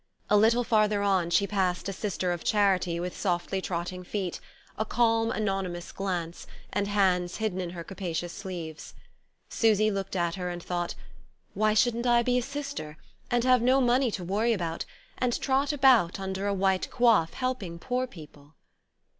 A little farther on she passed a Sister of Charity with softly trotting feet, a calm anonymous glance, and hands hidden in her capacious sleeves. Susy looked at her and thought: "Why shouldn't I be a Sister, and have no money to worry about, and trot about under a white coif helping poor people?"